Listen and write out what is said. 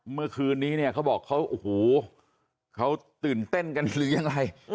เมื่อคืนนี้เนี่ยเขาบอกเขาโอ้โหเขาตื่นเต้นกันหรือยังไร